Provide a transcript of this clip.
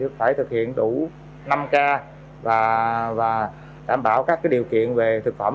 phải thực hiện đủ năm k và đảm bảo các điều kiện về thực phẩm